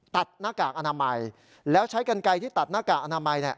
หน้ากากอนามัยแล้วใช้กันไกลที่ตัดหน้ากากอนามัย